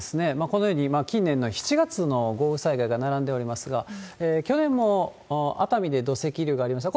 このように、近年の７月の豪雨災害が並んでおりますが、去年も熱海で土石流がありました。